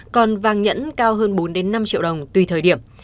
còn vàng nhẫn cao hơn bốn năm triệu đồng tùy thời điểm